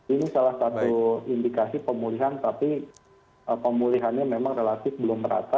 ini salah satu indikasi pemulihan tapi pemulihannya memang relatif belum merata